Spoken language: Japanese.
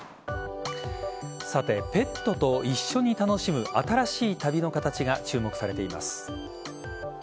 さて、ペットと一緒に楽しむ新しい旅の形が注目されています。